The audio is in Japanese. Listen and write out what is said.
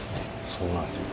そうなんですよ。